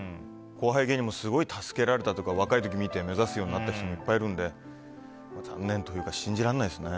後輩芸人もすごい助けられたというか若い時見て目指すようになった人たくさんいるので残念というか信じらんないですね。